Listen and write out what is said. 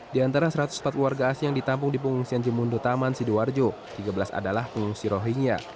di antara satu ratus empat puluh warga asing yang ditampung di pengungsian jemundo taman sidoarjo tiga belas adalah pengungsi rohingya